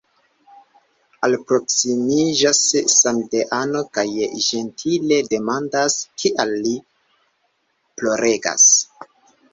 Alproksimiĝas samideano kaj ĝentile demandas, kial li ploregas.